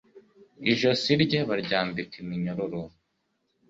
ijosi rye baryambika iminyururu